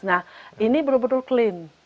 nah ini betul betul clean